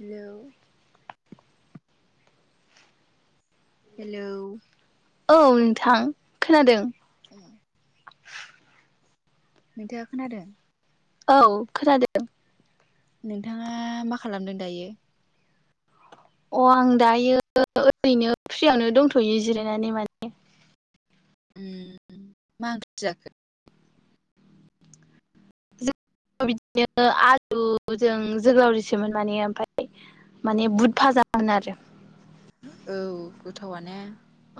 Hello hello औ नोंथां खोनादों? अ नोंथाङा खोनादों? औ खोनादों। नोंथाङा मा खालामदों दायो? अ आं दायो ओरैनो फ्रियावनो दंथ'यो जिरायनानै माने। ओम मा ओंख्रि जाखो? जों बिदिनो आलुजों जोगोलावरिसोमोन माने ओमफफ्राय माने बुहुत फाजामोन आरो औ गोथावआ नो।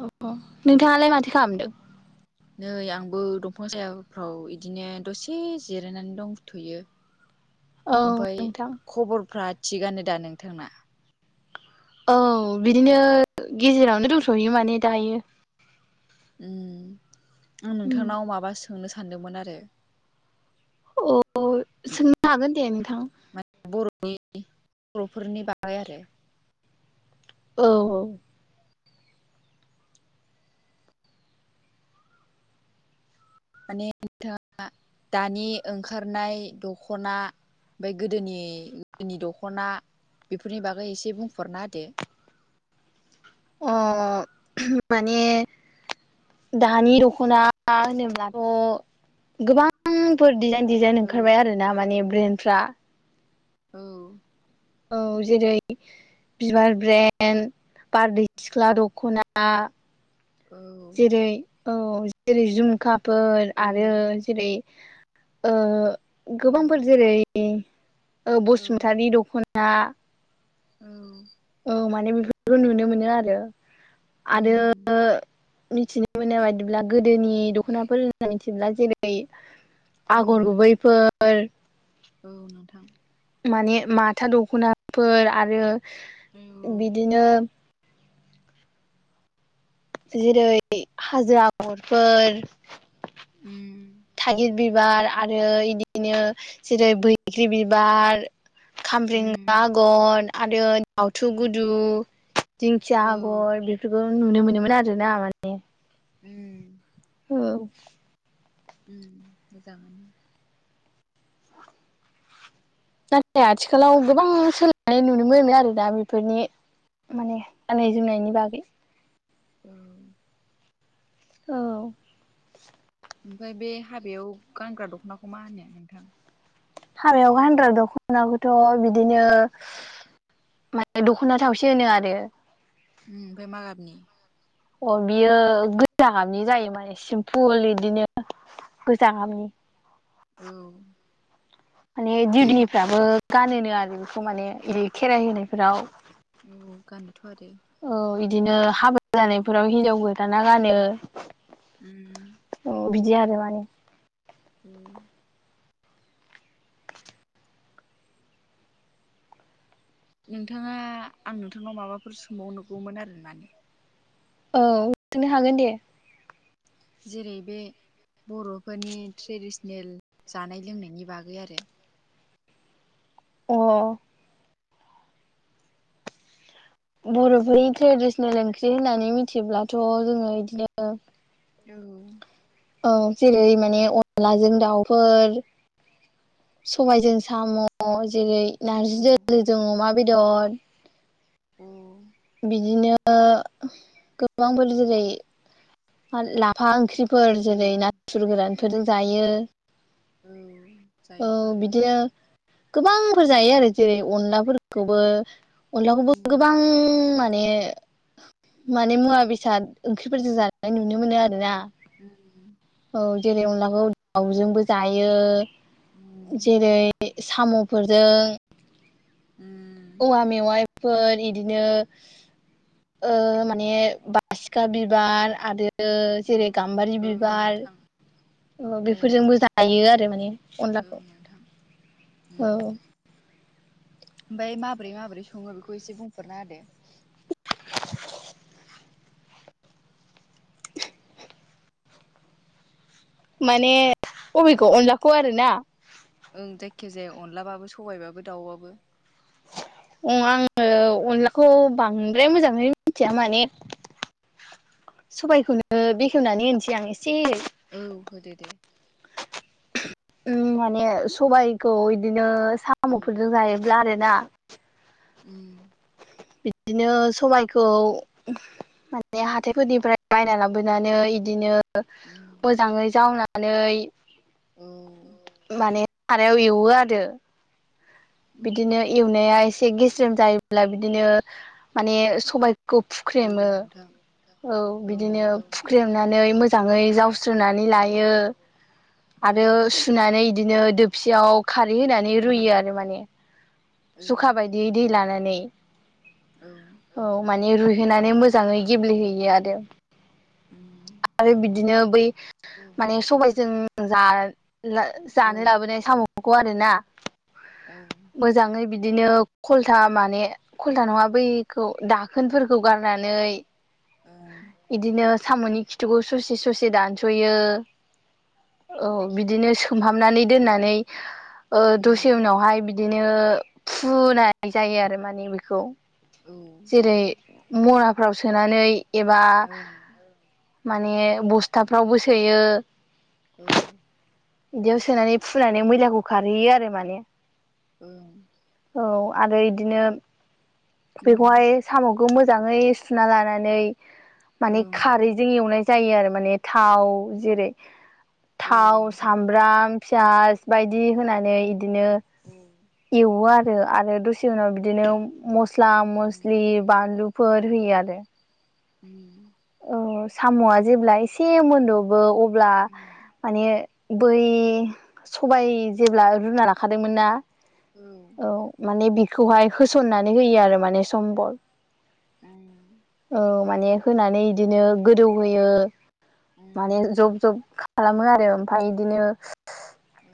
अ नोंथाङालाय माथो खालामदों? नै आंबो दंफां सायाफ्राव बिदिनो दसे जिरायनानै दंथुयो। औ ओमफाय नोंथां खबरफ्रा थिगानो दा नोंथांना औ बिदिनो गेजेरावनो दोनथ'हैयो माने दायो आं नोंथांनाव माबा सोंनो सानदोंमोन आरो अ सोंनो हागोन दे नोंथां बर' बर'फोरनि बागै आरो औ औ माने नोंथाङा दानि ओंखारनाय दख'ना ओमफफ्राय गोदोनि गोदोनि दख'ना बेफोरनि बागै एसे बुंफरना होदो अ माने दानि दख'ना होनोब्लाथ' गोबां गोबांफोर दिडिजाइन डिजाइन ओंखारबाय आर ना माने ब्रेन्डफ्रा औ औ जेरै बिबार ब्रेन्ड बारदै सिख्ला दख'ना औ जेरै औ जेरै जमखाफोर औ आरो जेरै गोबांफोर औ जेरै बसुमतारी दख'ना औ औ माने बेफोरखौ नुनो मोनो आरो आरो मिथिनो मोननाय बादिब्ला गोदोनि दख'नाफोर होनना मिथिब्ला जेरै आगर गुबैफोर औ नोंथां माने माथा दख'नाफोर आरो औ बिदिनो जेरै हाजिरा आगरफोर उम थागिर बिबार आरो इदिनो जेरै बैग्रि बिबार औ खामब्रें आगर आरो आवथु गुदु दिंखिया आगर बेफोरखौ नुनो मोनोमोन आरोना माने उम औ मोजांआनो नाथाय आथिखालाव गोबां सोलायनाय नुनो मोनो आरो दा बेफोरनि माने गाननाय जोमनायनि बागै औ औ ओमफ्राय बे हाबायाव गानग्रा दख'नाखौ मा होनो नोंथां हाबायाव गानग्रा दख'नाखौथ' बिदिनो माने दख'ना थावसे होनो आरो ओम ओमफ्राय मागाबनि अ बियो गोजा गाबनि जायो माने सिमपुल बिदिनो गोजाङामनि औ माने दिउनिफ्राबो गानोनो आरो बेखौ माने बि खेराइ होनायफोराव औ गाननोथ' आरो औ बिदिनो हाबा जानायफोराव हिन्जाव गोथाना गानो उम अ बिदि आरो माने [inaudible] नोंथाङा आं नोंथांनाव माबाफोर सोंबावनो नुगौमोन आरो माने औ सोंनो हागोन दे जेरै बे बर'फोरनि ट्रेडिसनेल जानाय लोंनायनि बागै आरो अ बर'फोरनि ट्रेडिसनेल ओंख्रि होननानै मिथिब्लाथ' जोङो इदिनो औ। औ जेरै माने अनलाजों दाउफोर, सबायजों साम' म', जेरै औ नार्जि दोलोजों अमा बेदर। अह। बिदिनो गोबांफोर जेरै फा लाफा ओंख्रिफोर औ जेरै नाथुर गोरानफोरजों जायो। औ जायोथ' आरो बिदिनो गोबांफोर जायो आरो जेरै अनलाफोरखौबो। अनलाखौबो उम गोबां माने माने मुवा बेसाद ओंख्रिफोरजों जानाय नुनो मोनो आरोना। म औ जेरै अनलाखौ दाउजोंबो जायो। उम जेरै साम'फोरजों, उम औवा मेवाइफोर इदिनो माने बासिखा बिबार आरो औ जेरै गाम्बारि औ बिबार नोंथां ओ औ बेफोरजोंबो जायो आरो माने औ अनलाखौ। नोंथां उम। औ ओमफ्राय माब्रै माब्रै सङो बेखौ एसे बुंफोररना होदो। [inaudible] माने अबेखौ अनलाखौ आरोना? ओं जायखि जाया अनलाबाबो सबायबाबो दाउबाबो। अं आङो अनलाखौ बांद्राय मोजाङै मिथिया माने सबायखौनो बेखेवनानै होनसै आं एसे। औ होदेदो। माने सबाइखौ बिदिनो औ साम'फोरजों जायोब्ला आरोना। उम। बिदिनो सबायखौ माने हाथायफोरनिफ्राय बायना लाबोनानै इदिनो उम। मोजाङै जावनानै औ। माने सारायाव एवो आरो। उम बिदिनो एवनाया एसे गेस्रेम जायोब्ला बिदिनो माने सबाय खौ औ फुख्रेमो नोंथां औ बिदिनो फु ख्रेमनानै मोजाङै जावस्रनानै औ लायो औ आरो सु सुनानै बिदिनो दोबसियाव खारै होनानै उम रुयो आरो माने। औ जखा बायदियै दै लानानै। औ। औ माने रुइहोनानै मोजाङै गेब्लेहोयो आरो। उम आरो बिदिनो बै औ माने सबायजों जा जा-जानो औ लाबोनाय साम'खौ आरोना। औ। मोजाङै बिदिनो खलथा माने खल्था नङा बैखौ दाखोनफोरखौ गारनानै ओं। बिदिनो साम'नि खिथुखौ ससे ससे दानस'यो। औ बिदिनो सोमहाबनानै दोननानै दसे उनावहाय बिदिनो फुनाय जायो आरो माने बेखौ। औ। जेरै मनाफ्राव सोनानै एबा माने बस्थाफ्रावबो सोयो। औ बिदियाव सोनानै फुनानै मैलाखौ खारहैयो आरो माने ओं औ आरो इदिनो बेखौहाय साम'खौ मोजाङै सुना लानानै माने खारैजों एवनाय जायो आरो माने थाव जेरै थाव सामब्राम फियस बायदि होनानै बिदिनो ओम एवो आरो आरो दसे उनाव बिदिनो मस्ला मस्लि बानलुफोर होया आरो ओम औ साम'आ जेब्ला एसे मोनद'बो अब्ला माने बै सबाय जेब्ला रुना लाखादोंमोन ना औ माने बिखौहाय होसननानै होयो आरो माने सम्बल औ माने होनानै बिदिनो गोदौहोयो माने जब जब खालामो आरो ओमफाय इदिनो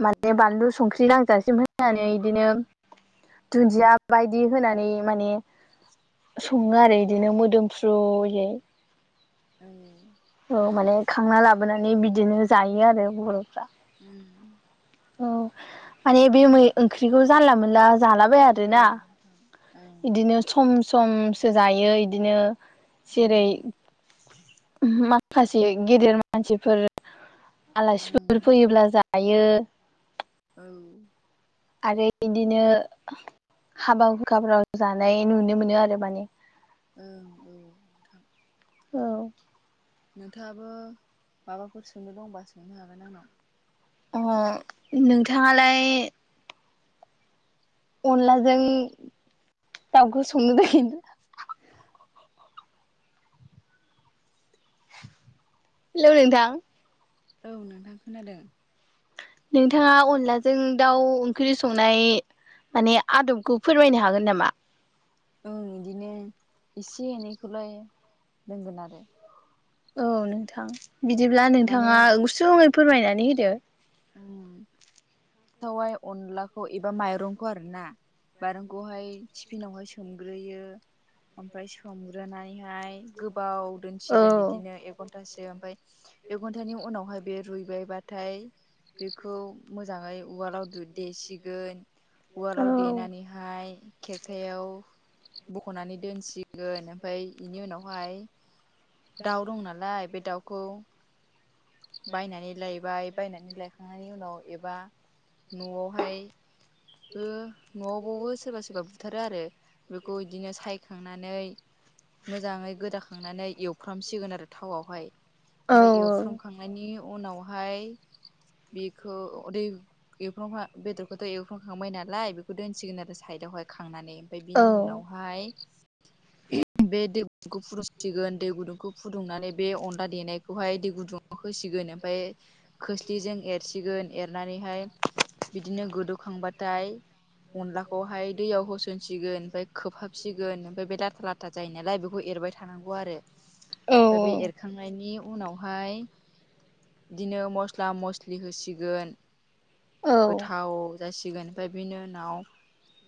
माने बानलु संख्रि नांजासिम होनानै बिदिनो दुन्दिया बायदि होनानै माने सङो आरो बिदिनो मोदोमफ्र्रुयै औ औ माने खांना लाबोनानै बिदिनो जायो आरो बर'फ्रा ओम औ माने बे मै ओंख्रिखौ जानला मोनला जालाबाय आरोना इदिनो सम समसो जायो बिदिनो जेरै माखासे गेदेर मानसिफोर आलासिफोर फैयोब्ला जायो औ आरो इदिनो हाबा हुखाफ्राव जानाय नुनो मोनो आरो माने ओं औ औ नोंथाङाबो माबाफोर सोंनो दंबा सोंनो हागोन आंनाव अ नोंथाङालाय अनलाजों दाउखौ संनो थाखायै हेलौ नोंथां औ नोंथां खोनादों नोंथाङा अनलाजों दाउ ओंख्रि संनाय माने आदबखौ फोरमायनो हागोन नामा ओं इदिनो इसे एनैखौलाय रोंगोन आरो औ नोंथां बिदिब्ला माने नोंथाङा गुसुङै फोरमायनानै होदो उम थावाइ अनलाखौ एबा माइरंखौ आरो ना माइरंखौहाय थिफिनावहाय सोमग्रोयो ओमफाय सोमग्रोनायहाय गोबाव औ दोनसिगोन बिदिनो एक घन्टासो ओमफाय एक घन्टानि उनावहाय बे रुइबायबाथाय बेखौ मोजाङै उवालाव दु देसिगोन औ उवालाव देनानैहाय खेरखायाव बख'नानै दोनसिगोन ओमफाय इनि उनावहाय दाउ दं नालाय बे दाउखौ बायनानै लायबाय बायनानै लायखांनायनि उनाव एबा न'आवहाय ओ न'आवबावबो सोरबा सोरबा बुथारो आरो बेखौ इदिनो सायखांनानै मोजाङै गोदाखांनानै एवफ्रामसिगोन आरो थावआवहाय औ ओमफाय एवफ्रामखां मानि उनावहाय बेखौ अदै एवफबना बदरबाथाय सुखांखांबाय नालाय बेखौ दोनसिगोन आरो साइदावहाय खांनानै ओमफाय औ बिनि उनावहाय बे दै गुदुंखौ फुदुंसिगोन दै गुदुंखौ फुदुंनानै बे अनला देनायखौहाय दै गुदुङाव होसिगोन ओमफाय खोस्लिजों एरसिगोन एरनानैहाय बिदिनो गोदौखांबाथाय अनलाखौहाय दैयाव होसनसिगोन ओमफाय खोबहाबसिगोन ओमफाय बे लाथा ला था जायो नालाय बेखौ एरबाय थानांगौ आरो औ ओमफाय बे एरखांनायनि उनावहाय इदिनो मस्ला मस्लि होसिगोन औ गोथाव जासिगोन ओमफाय बिनि उनाव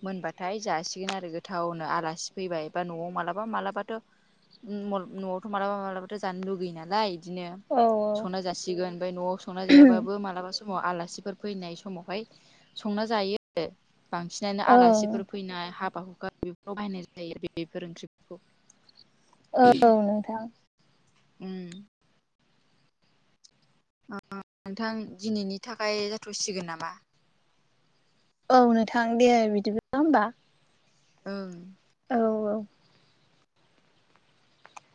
मोनबाथाय जासिगोन आरो गोथावनो आलासि फैबाय बा न'आव मालाबा मालाबाथ' उम मल न'आवथ' मालाबा मालाबाथ' जानो लुगैयो नालाय इदिनो औ संना जासि सिगोन बै न'आव संना जायाबाबो मालाबा समाव आलासिफोर फैनाय समावहाय संना जायो आरो बांसिनानो औ आलासिफोर फैनाय हाबा हुखा बे लगायनाय जायो बेफोर ओंख्रिफोरखौ नोथां उम अ नोंथां दिनैनि थाखाय जाथ'सिगोन नामा। औ नोंथां दे बिदिब्ला होमबा ओं औ औ